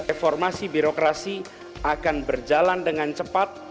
reformasi birokrasi akan berjalan dengan cepat